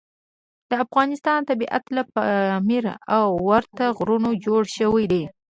د افغانستان طبیعت له پامیر او ورته غرونو جوړ شوی دی.